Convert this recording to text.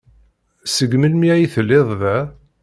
Seg melmi ay telliḍ da?